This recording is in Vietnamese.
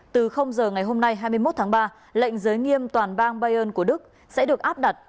từ giờ ngày hôm nay hai mươi một tháng ba lệnh giới nghiêm toàn bang bayern của đức sẽ được áp đặt